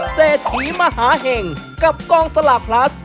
เศรษฐีมหาเห็งกับกองสลากพลัส